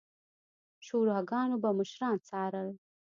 شوراګانو به مشران څارل